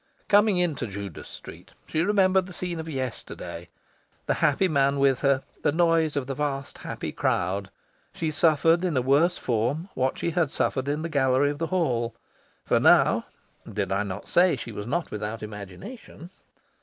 Coming into Judas Street, she remembered the scene of yesterday the happy man with her, the noise of the vast happy crowd. She suffered in a worse form what she had suffered in the gallery of the Hall. For now did I not say she was not without imagination?